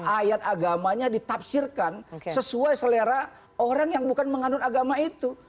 ayat agamanya ditafsirkan sesuai selera orang yang bukan mengandung agama itu